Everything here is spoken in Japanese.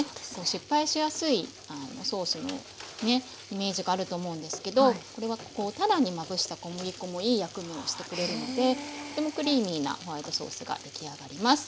失敗しやすいソースのねイメージがあると思うんですけどこれはたらにまぶした小麦粉もいい役目をしてくれるのでとてもクリーミーなホワイトソースが出来上がります。